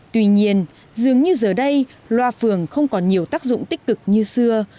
tuy nhiên dường như giờ đây loa phường không còn nhiều tác dụng tích cực như xưa